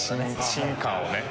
進化をね。